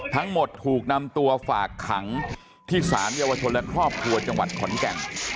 ทั้งหมดถูกนำตัวฝากขังที่ศาลเยาวชนและครอบครัวจังหวัดขอนแก่น